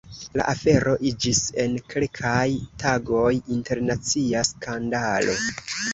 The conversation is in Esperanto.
La afero iĝis en kelkaj tagoj internacia skandalo.